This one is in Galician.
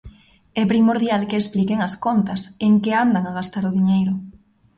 É primordial que expliquen as contas, en que andan a gastar o diñeiro.